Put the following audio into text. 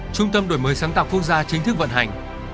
trung tâm đổi mới sáng tạo quốc gia chính thức vận hành